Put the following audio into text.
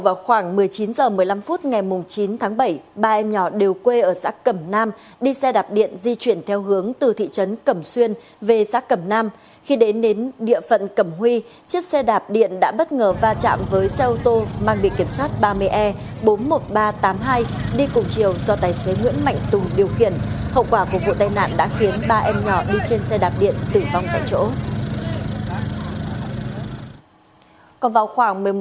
vào khoảng một mươi chín h một mươi năm phút ngày chín tháng bảy ba em nhỏ đều quê ở xã cẩm nam đi xe đạp điện di chuyển theo hướng từ thị trấn cẩm xuyên về xã cẩm nam khi đến đến địa phận cẩm huy chiếc xe đạp điện đã bất ngờ va chạm với xe ô tô mang bị kiểm soát ba mươi e bốn mươi một nghìn ba trăm tám mươi hai đi cùng chiều do tài xế nguyễn mạnh tùng điều khiển hậu quả của vụ tai nạn đã khiến ba em nhỏ đi trên xe đạp điện tử vong tại chỗ